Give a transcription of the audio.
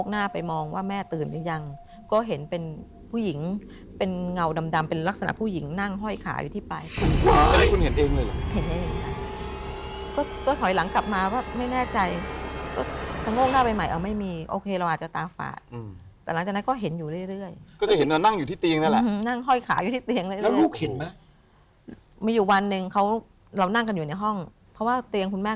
ณโอนีบ้านหลังนั้นยังอยู่ไหม